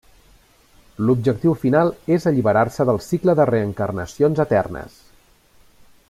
L'objectiu final és alliberar-se del cicle de reencarnacions eternes.